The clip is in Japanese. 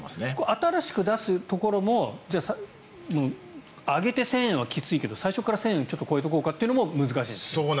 新しく出すところも上げて１０００円はきついけど最初から１０００円超えとこうかというのも難しいんですね。